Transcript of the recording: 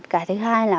cả thứ hai là